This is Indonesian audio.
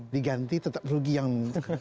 diganti tetap rugi yang